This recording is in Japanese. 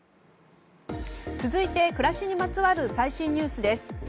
続いて暮らしにまつわる最新ニュースです。